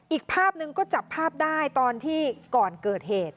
อีกภาพหนึ่งก็จับภาพได้ตอนที่ก่อนเกิดเหตุ